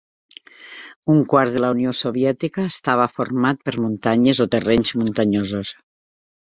Un quart de la Unió Soviètica estava format per muntanyes o terrenys muntanyosos.